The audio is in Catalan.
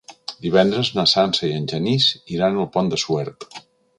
Divendres na Sança i en Genís iran al Pont de Suert.